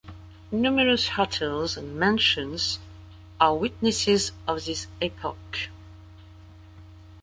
Numerous hotels and mansions are witnesses of this epoch.